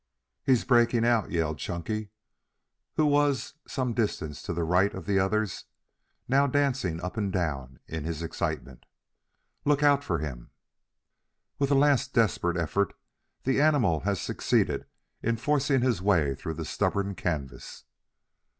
"He's breaking out!" yelled Chunky, who was some distance to the right of the others, now dancing up and down in his excitement. "Look out for him!" With a last desperate effort, the animal had succeeded in forcing his way through the stubborn canvas.